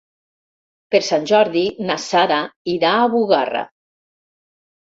Per Sant Jordi na Sara irà a Bugarra.